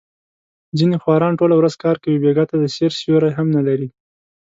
ځنې خواران ټوله ورځ کار کوي، بېګاه ته د سیر سیوری هم نه لري.